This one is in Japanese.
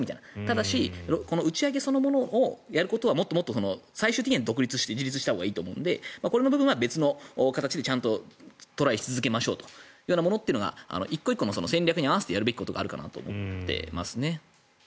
ただ、打ち上げそのものはもっともっと最終的には独立して自立したほうがいいのでこれは別の形としてちゃんとトライし続けようというものが１個１個の戦略に合わせてやるべきだと思います。